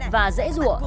và dễ dụa